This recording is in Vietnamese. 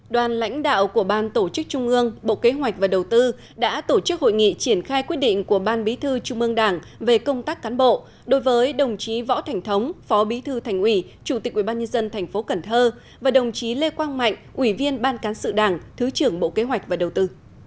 đoàn lãnh đạo của ban tổ chức trung ương bộ kế hoạch và đầu tư đã tổ chức hội nghị triển khai quyết định của ban bí thư trung ương đảng về công tác cán bộ đối với đồng chí võ thành thống phó bí thư thành ủy chủ tịch ubnd tp cần thơ và đồng chí lê quang mạnh ủy viên ban cán sự đảng thứ trưởng bộ kế hoạch và đầu tư